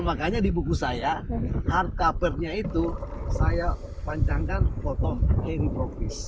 makanya di buku saya hardcovernya itu saya panjangkan foto hairy frog fish